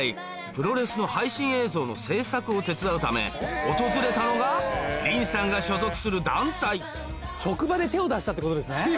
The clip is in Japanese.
プロレスの配信映像の制作を手伝うため訪れたのが凛さんが所属する団体職場で手を出したってことですね！